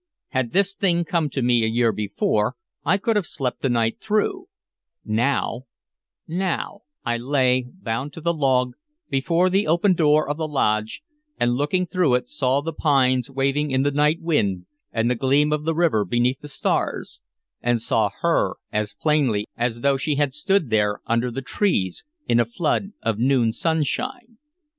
Had this thing come to me a year before, I could have slept the night through; now now I lay, bound to the log, before the open door of the lodge, and, looking through it, saw the pines waving in the night wind and the gleam of the river beneath the stars, and saw her as plainly as though she had stood there under the trees, in a flood of noon sunshine.